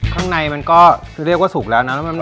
ข้างในมันก็เรียกว่าสุกแล้วนะครับ